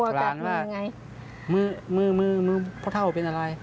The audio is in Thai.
บร้านว่ามือเพราะเท้าเป็นอะไร